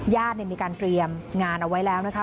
ญาติมีการเตรียมงานเอาไว้แล้วนะคะ